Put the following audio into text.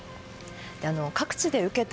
各地で受けた